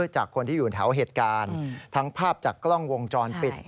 จากคนที่อยู่แถวเหตุการณ์ทั้งภาพจากกล้องวงจรปิด